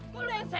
kok lo yang sewap